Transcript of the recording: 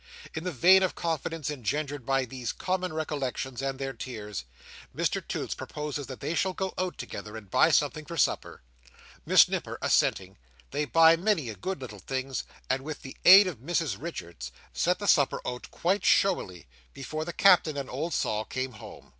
In the vein of confidence engendered by these common recollections, and their tears, Mr Toots proposes that they shall go out together, and buy something for supper. Miss Nipper assenting, they buy a good many little things; and, with the aid of Mrs Richards, set the supper out quite showily before the Captain and old Sol came home.